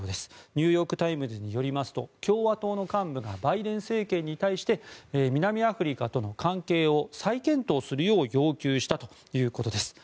ニューヨーク・タイムズによりますと共和党の幹部がバイデン政権に対して南アフリカとの関係を再検討するよう要求したということです。